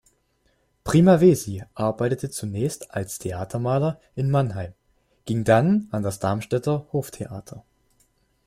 Primavesi arbeitete zunächst als Theatermaler in Mannheim, ging dann an das Darmstädter Hoftheater.